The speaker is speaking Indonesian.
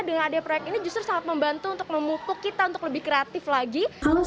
dengan ada proyek ini justru sangat membantu untuk memupuk kita untuk lebih kreatif lagi